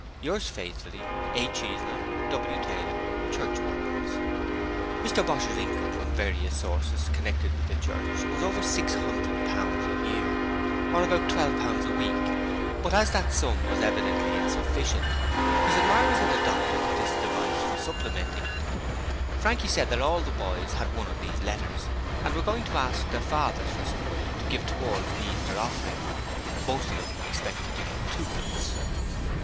Yours faithfully, A. Cheeseman } W. Taylor } Churchwardens Mr Bosher's income from various sources connected with the church was over six hundred pounds a year, or about twelve pounds per week, but as that sum was evidently insufficient, his admirers had adopted this device for supplementing it. Frankie said all the boys had one of these letters and were going to ask their fathers for some money to give towards the Easter offering. Most of them expected to get twopence.